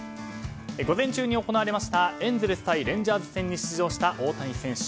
午前中に行われましたエンゼルス対レンジャーズ戦に出場した大谷選手。